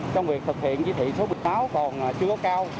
trong việc thực hiện chỉ thị số bệnh máu còn chưa có cao